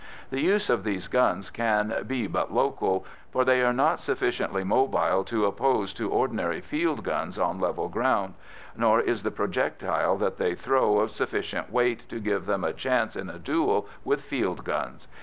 The use of these guns can be but local, for they are not sufficiently mobile to oppose to ordinary field guns on level ground, nor is the projectile that they throw of sufficient weight to give them a chance in a duel with field guns.